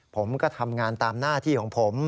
ผมก็ทำงานตามหน้าที่ของผม